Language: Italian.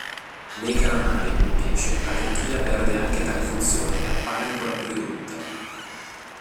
Nei calamari, invece, la conchiglia perde anche tale funzione ed appare ancora più ridotta.